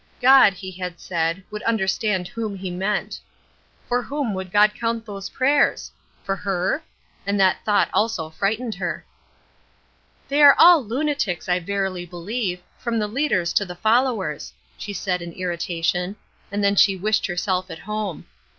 God, he had said, would understand whom he meant. For whom would God count those prayers? For her? And that thought also frightened her. "They are all lunatics, I verily believe, from the leaders to the followers," she said in irritation, and then she wished herself at home.